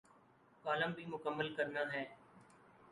Column بھی مکمل کرنا ہے۔